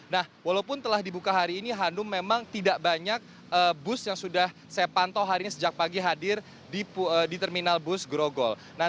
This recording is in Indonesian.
nah walaupun telah dibuka hari ini hanum memang tidak banyak bus yang sudah saya pantau hari ini sejak pagi hadir di terminal bus grogol